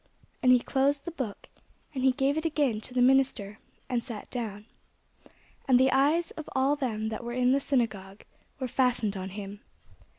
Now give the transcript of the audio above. And he closed the book, and he gave it again to the minister, and sat down. And the eyes of all them that were in the synagogue were fastened on him.